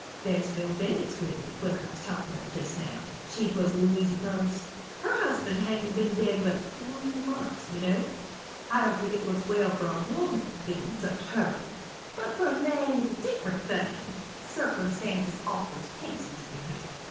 There's Phil Bennett's widder 't I was a talkin' about jest now she 't was Louisy Perce her husband hadent been dead but three months, you know. I don't think it looks well for a woman to be in such a hurry but for a man it's a different thing circumstances alters cases, you know.